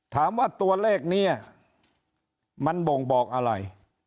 ถามว่าตัวเลขนี้มันบ่งบอกอะไร